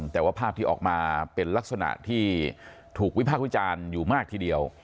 แต่ว่าภาพที่ออกมาเป็นลักษณะที่ถูกวิพากษ์วิจารณ์อยู่มากทีเดียว